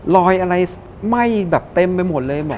รอยอะไรไหม้เต็มไปหมดเลย